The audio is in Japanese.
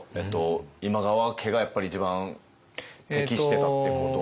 今川家がやっぱり一番適してたってこと？